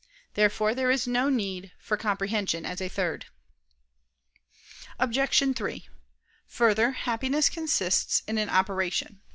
Therefore there is no need for comprehension as a third. Obj. 3: Further, happiness consists in an operation.